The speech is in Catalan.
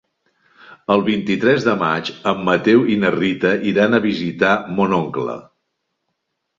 El vint-i-tres de maig en Mateu i na Rita iran a visitar mon oncle.